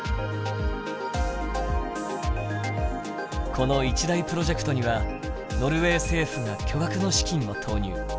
この一大プロジェクトにはノルウェー政府が巨額の資金を投入。